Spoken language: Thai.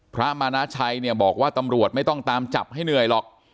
พระมานาชัยเนี่ยบอกว่าตำรวจไม่ต้องตามจับให้เหนื่อยหรอก